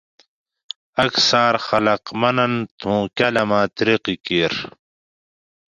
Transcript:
اکثار خلق مننت اوں کالاۤمیہ ترقی کیر